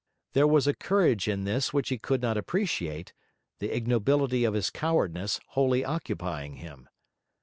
There was a courage in this which he could not appreciate; the ignobility of his cowardice wholly occupying him.